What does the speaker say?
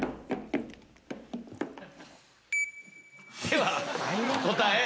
では答え